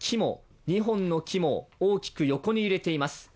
２本の木も、大きく横に揺れています。